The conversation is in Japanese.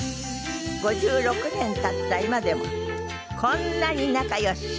５６年経った今でもこんなに仲良し！